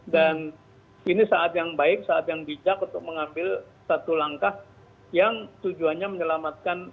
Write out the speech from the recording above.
dan ini saat yang baik saat yang bijak untuk mengambil satu langkah yang tujuannya menyelamatkan